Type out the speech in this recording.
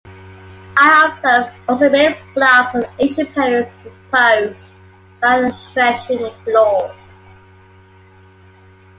I observed also many blocks of ancient appearance disposed round threshing-floors.